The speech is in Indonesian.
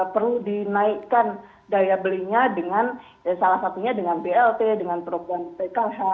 perlu dinaikkan daya belinya dengan salah satunya dengan blt dengan program pkh